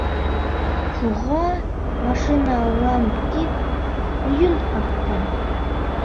Шуға, машина алам тип, өйөн һатҡан.